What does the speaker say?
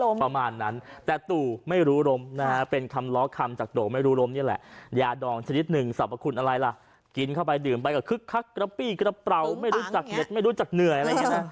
กระปี้กระเปราไม่รู้จักเหนือร์อะไรแบบนี้นะ